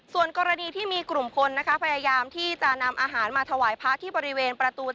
ส่วนกรณีที่มีกลุ่มคนนะคะพยายามที่จะนำอาหารมาถวายพระที่บริเวณประตู